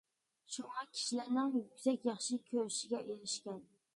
شۇڭا كىشىلەرنىڭ يۈكسەك ياخشى كۆرۈشىگە ئېرىشكەن.